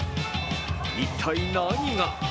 一体何が？